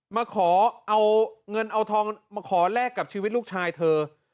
มาขอเอาเงินเอาทองมาขอแลกกับชีวิตลูกชายเธอ